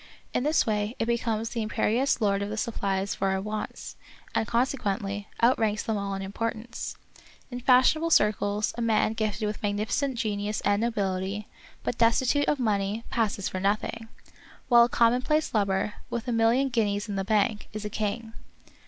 In this way it becomes the imperious lord of the supplies for our wants, and, consequently, outranks them all in importance. In fashionable circles a man gifted with magnificent genius and nobility, but destitute of money, passes for nothing ; while a com monplace lubber, with a million guineas in the bank, is a king.